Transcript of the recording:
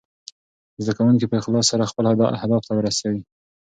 زده کونکي په اخلاص سره خپل اهداف ته ورسوي.